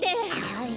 はい。